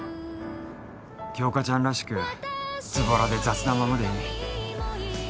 杏花ちゃんらしくズボラで雑なままでいい